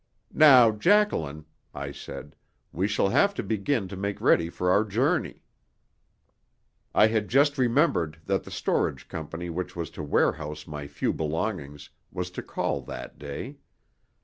"Now, Jacqueline," I said, "we shall have to begin to make ready for our journey." I had just remembered that the storage company which was to warehouse my few belongings was to call that day.